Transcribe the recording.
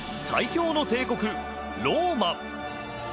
最強の帝国、ローマ。